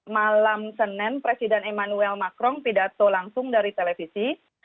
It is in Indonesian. malam senin presiden emmanuel macron pidato langsung dari televisi